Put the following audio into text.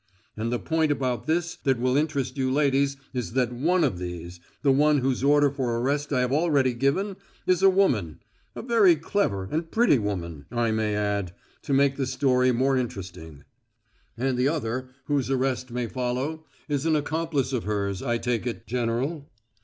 And the point about this that will interest you ladies is that one of these the one whose order for arrest I have already given is a woman a very clever and pretty woman, I may add, to make the story more interesting." "And the other, whose arrest may follow, is an accomplice of hers, I take it, General!"